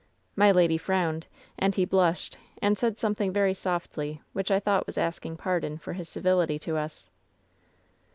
My lady frowned, and he blushed, and said something very softly, which I thought was asking pardon for his civility to us.